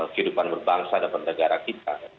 kedepan berbangsa dalam negara kita